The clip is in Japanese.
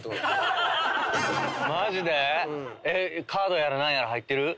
マジで⁉カードやら何やら入ってる？